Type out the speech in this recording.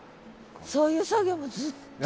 そういう作業もずっと。